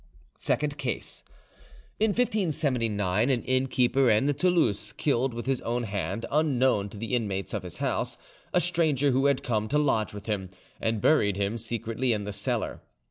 SECOND CASE In 1579 an innkeeper at Toulouse killed with his own hand, unknown to the inmates of his house, a stranger who had come to lodge with him, and buried him secretly in the cellar.